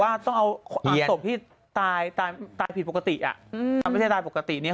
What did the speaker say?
ว่าต้องเอาศพที่ตายตายตายผิดปกติอ่ะอืมไม่ได้ปกติเนี่ย